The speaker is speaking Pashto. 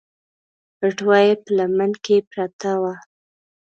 بټوه يې په لمن کې پرته وه.